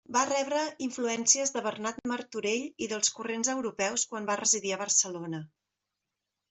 Va rebre influències de Bernat Martorell i dels corrents europeus quan va residir a Barcelona.